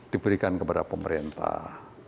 diberikan kepada pemerintah